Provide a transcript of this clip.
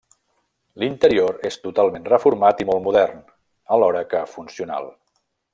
L'interior és totalment reformat i molt modern, alhora que funcional.